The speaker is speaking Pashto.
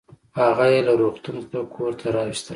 هغه يې له روغتون څخه کورته راوستله